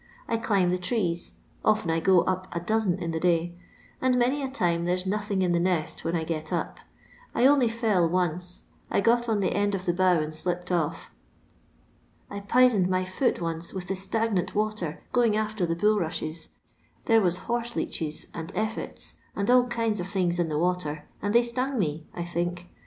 I climb the trees, often I go up a dozen in the day, and many a tine tha« 'i nothing in the nest when I gel npb I only fell once ; I got on the end of the bough and slipped oS. I poisoned my foot once with the stagnant water going after the bulrushes, — there was horseleeches, and efiets, and all kinds of things in the water, and they stung me, I think.